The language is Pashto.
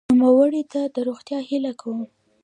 نوموړي ته د روغتیا هیله کوم.